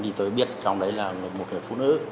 thì tôi biết trong đấy là một người phụ nữ